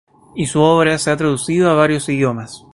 Y su obra se ha traducido a varios idiomas.